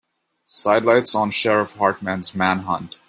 Sidelights on Sheriff Hartman's manhunt.